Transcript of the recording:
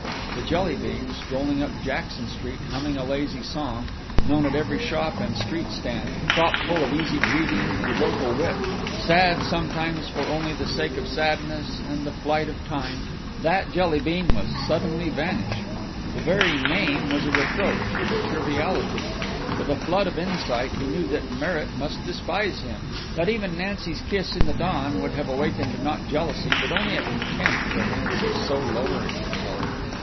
The Jelly bean strolling up Jackson Street humming a lazy song, known at every shop and street stand, cropful of easy greeting and local wit, sad sometimes for only the sake of sadness and the flight of time that Jelly bean was suddenly vanished. The very name was a reproach, a triviality. With a flood of insight he knew that Merritt must despise him, that even Nancy's kiss in the dawn would have awakened not jealousy but only a contempt for Nancy's so lowering herself.